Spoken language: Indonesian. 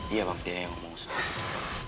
iya bang dia yang ngomong soal itu